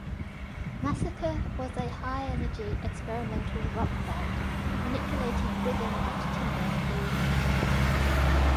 Massacre was a high-energy experimental rock band, manipulating rhythm and timbre freely.